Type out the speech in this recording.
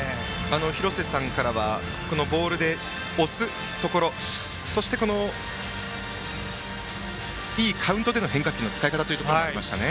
廣瀬さんからはボールで押すところそしていいカウントでの変化球の使い方の話がありました。